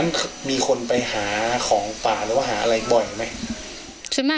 ตรงนั้นมีคนไปหาของป่าหรือว่าหาอะไรบ่อยหรือไม่